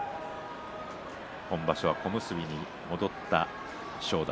今場所は小結に戻った正代。